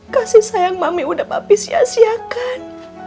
kasih sayang mami udah bapis sia siakan